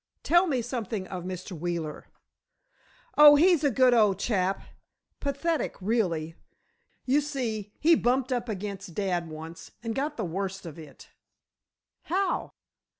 Tell me something of Mr. Wheeler." "Oh, he's a good old chap. Pathetic, rather. You see, he bumped up against dad once, and got the worst of it." "How?"